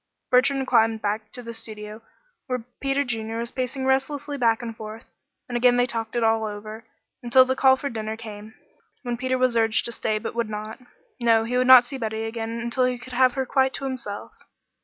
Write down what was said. Bertrand climbed back to the studio where Peter Junior was pacing restlessly back and forth, and again they talked it all over, until the call came for dinner, when Peter was urged to stay, but would not. No, he would not see Betty again until he could have her quite to himself.